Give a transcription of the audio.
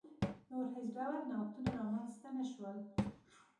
نور هېڅ ډول نوښتونه رامنځته نه شول.